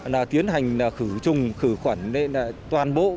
để tiến hành khử trùng khử khuẩn toàn bộ